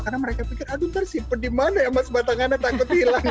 karena mereka pikir aduh ntar simpen di mana ya emas batangannya takut hilang